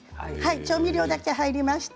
調味料だけ入りました。